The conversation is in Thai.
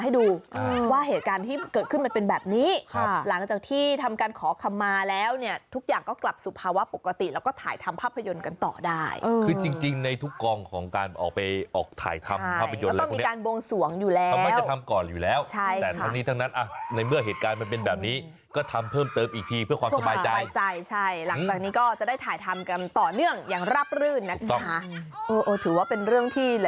ให้ดูว่าเหตุการณ์ที่เกิดขึ้นมันเป็นแบบนี้หลังจากที่ทำการขอคำมาแล้วเนี่ยทุกอย่างก็กลับสู่ภาวะปกติแล้วก็ถ่ายทำภาพยนตร์กันต่อได้คือจริงในทุกกองของการออกไปออกถ่ายทำภาพยนตร์มันต้องมีการบวงสวงอยู่แล้วทำไมจะทำก่อนอยู่แล้วแต่ทั้งนี้ทั้งนั้นในเมื่อเหตุการณ์มันเป็นแบบนี้ก็ทำเพิ่มเ